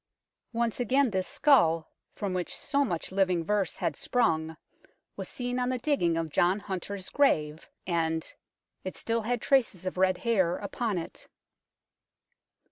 Once again this skull, from which so much living verse had sprung, was seen on the digging of John Hunter's grave, and " it had still traces of red hair upon it."